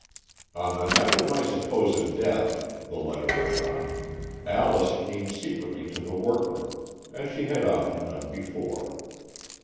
On the night of my supposed death," the letter went on, "Alice came secretly to the workroom, as she had often done before.